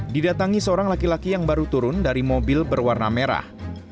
didatangi seorang laki laki yang baru turun dari mobil berwarna merah